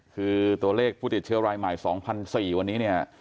คือตัวเลขผู้ติดเชื้อรายใหม่๒๔๐๐วันนี้เนี่ย